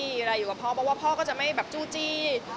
เวลาอยู่กับพ่อเพราะว่าพ่อก็จะไม่จู่จี้